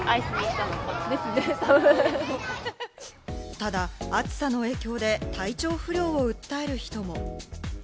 ただ、暑さの影響で体調不良を訴える人も。